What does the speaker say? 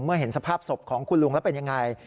เห็นสภาพศพของคุณลุงแล้วเป็นยังไง